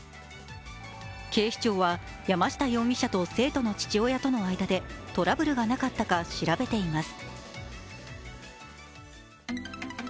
警視庁は山下容疑者と生徒の父親との間でトラブルがなかったか調べています。